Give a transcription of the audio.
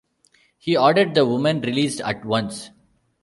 He ordered the women released at once.